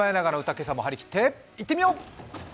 今朝も張り切っていってみよう！